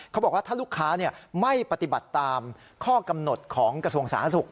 เขาบอกว่าถ้าลูกค้าไม่ปฏิบัติตามข้อกำหนดของกระทรวงสาธารณสุข